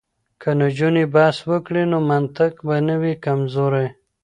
که نجونې بحث وکړي نو منطق به نه وي کمزوری.